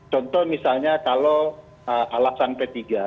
contoh misalnya kalau alasan p tiga